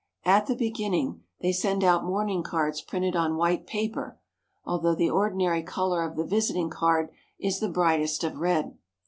At the beginning they send out mourning cards printed on white paper, although the ordinary color of the visiting card is the brightest of red.